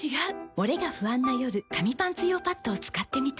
モレが不安な夜紙パンツ用パッドを使ってみた。